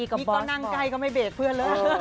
ก็นั่งไพ่ก็ไม่เบคเพื่อนเลย